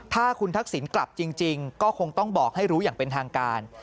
ถ้าคุณทักษิณกลับจริงก็คงต้องบอกให้รู้อย่างเป็นทางการ